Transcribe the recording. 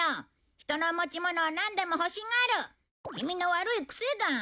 人の持ち物をなんでも欲しがるキミの悪いクセだ。